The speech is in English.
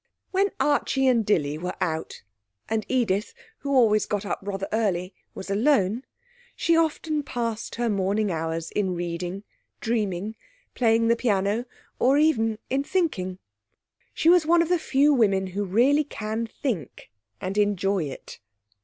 When Archie and Dilly were out, and Edith, who always got up rather early, was alone, she often passed her morning hours in reading, dreaming, playing the piano, or even in thinking. She was one of the few women who really can think, and enjoy it.